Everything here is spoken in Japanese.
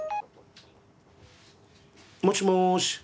もしもし。